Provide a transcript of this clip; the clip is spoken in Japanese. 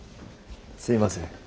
すいません。